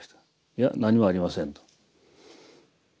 「いや何もありません」と。